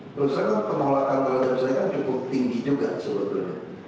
kalau saya kan penolakan dari saudara seni kan cukup tinggi juga sebetulnya